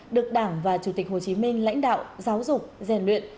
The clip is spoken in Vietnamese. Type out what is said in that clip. được đảng và chủ tịch hồ chí minh lãnh đạo giáo dục rèn luyện